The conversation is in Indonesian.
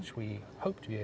yang kita harapkan bisa